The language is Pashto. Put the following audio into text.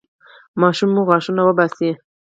ماشوم مو غاښونه وباسي؟